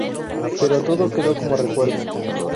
Pero todo quedó como recuerdo.